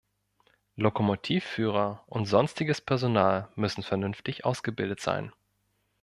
Lokomotivführer und sonstiges Personal müssen vernünftig ausgebildet sein.